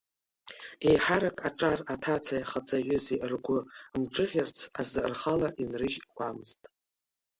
Еиҳарак аҿар аҭацеи ахаҵаҩызеи ргәы мҿыӷьырц азы рхала инрыжуьамызт.